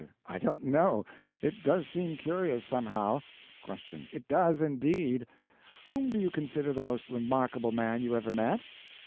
I don't know. It does seem curious, somehow. Q. It does, indeed. Whom do you consider the most remarkable man you ever met?